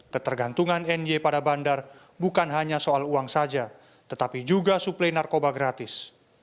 ketergantungan ny pada bandar bukan hanya soal uang saja tetapi juga suplai narkoba gratis